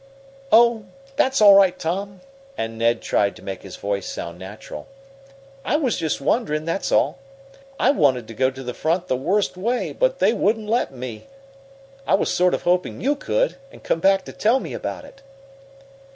"Oh, that's all right, Tom," and Ned tried to make his voice sound natural. "I was just wondering, that's all. I wanted to go to the front the worst way, but they wouldn't let me. I was sort of hoping you could, and come back to tell me about it."